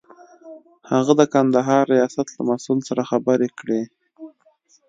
هغه د کندهار ریاست له مسئول سره خبرې کړې.